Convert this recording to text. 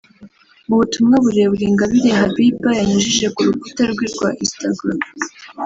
Mu butumwa burebure Ingabire Habibah yanyujije ku rukuta rwe rwa instagra